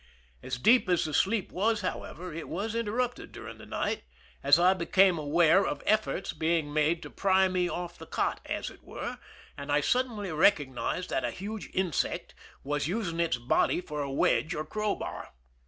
As deep as the sleep was, however, it was interrupted during the night, as I became aware of efforts being made to pry me off "the cot, as it were, and I suddenly recognized that a huge insect was using its body for a wedge or crowbar.